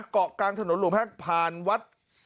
เกาะกลางถนนหลวงแฮกผ่านวัด